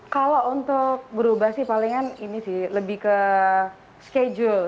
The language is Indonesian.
kalau untuk berubah sih palingan ini sih lebih ke schedule